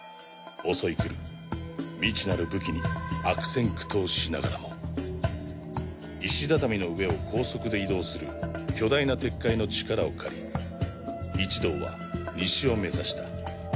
襲いくる未知なる武器に悪戦苦闘しながらも石畳の上を高速で移動する巨大な鉄塊のチカラを借り一同は西を目指した。